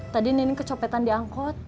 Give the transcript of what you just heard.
tadi nining kecopetan di angkot